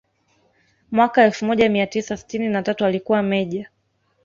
Mwaka elfu moja mia tisa sitini na tatu alikuwa meja